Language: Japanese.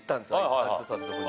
有田さんのとこに。